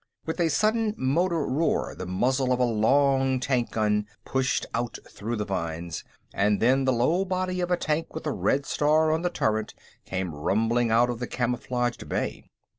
With a sudden motor roar, the muzzle of a long tank gun pushed out through the vines, and then the low body of a tank with a red star on the turret came rumbling out of the camouflaged bay.